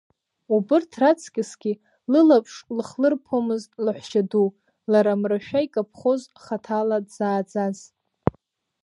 Убырҭ раҵкьысгьы лылаԥш лыхлырԥомызт лаҳәшьа ду, лара Мрашәа икаԥхоз хаҭала дзааӡаз.